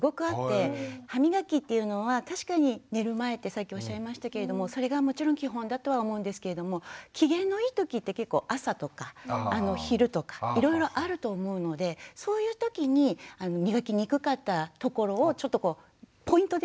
歯みがきっていうのは確かに寝る前ってさっきおっしゃいましたけれどもそれがもちろん基本だとは思うんですけれども機嫌のいいときって結構朝とか昼とかいろいろあると思うのでそういうときに磨きにくかったところをちょっとこうポイントでね。